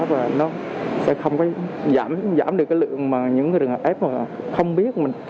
và nó sẽ không có giảm được cái lượng mà những người f không biết